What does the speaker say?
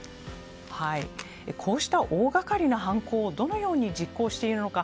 こうした大掛かりな犯行をどのように実行しているのか。